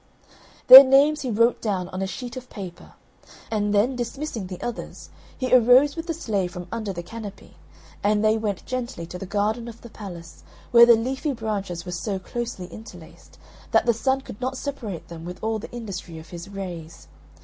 Their names he wrote down on a sheet of paper; and then, dismissing the others, he arose with the Slave from under the canopy, and they went gently to the garden of the palace, where the leafy branches were so closely interlaced, that the Sun could not separate them with all the industry of his rays.